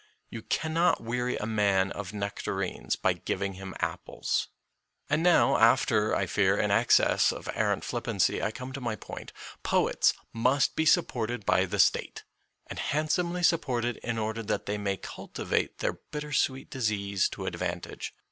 You cannot weary a man of nectarines by giving him apples. And now, after, I fear, an excess of errant flippancy, I come to my point. Poets must be supported by the State, and handsomely sup ported in order that they may cultivate their bitter sweet disease to advantage.